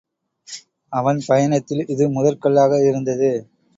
அவன் பயணத்தில் இது முதற்கல்லாக இருந்தது.